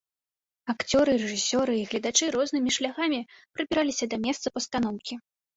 Акцёры, рэжысёры і гледачы рознымі шляхамі прабіраліся да месца пастаноўкі.